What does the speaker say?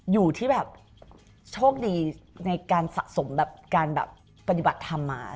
อยู่ที่แบบโชคดีในการสะสมแบบการแบบปฏิบัติธรรมมา